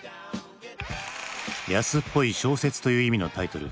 「安っぽい小説」という意味のタイトル